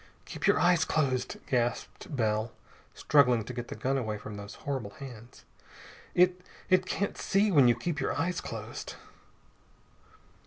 "Keep your eyes closed," gasped Bell, struggling to get the gun away from those horrible hands. "It it can't see when you keep your eyes closed!"